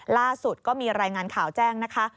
ล่าสุดก็มีรายงานข่าวแจ้งนะคะ